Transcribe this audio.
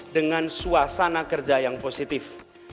dengan suasana kerja yang positif